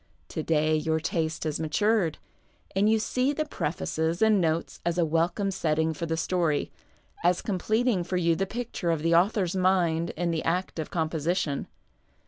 To day your taste has matured, and you see the prefaces and notes as a welcome setting for the story, as completing for you the picture of the author's mind in the act of com position.